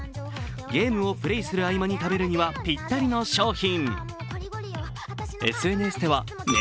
ゲームをプレーする合間に食べるにはぴったりの商品。